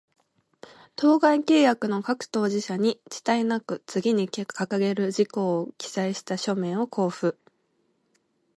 当該契約の各当事者に、遅滞なく、次に掲げる事項を記載した書面を交付